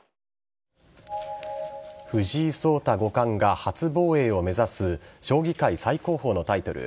藤井聡太五冠が初防衛を目指す将棋界最高峰のタイトル